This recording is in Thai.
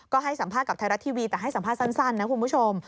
ก็ให้สัมภาษณ์กับไทยรัฐทีวีแต่ให้สัมภาษณ์สั้นนะคุณผู้ชม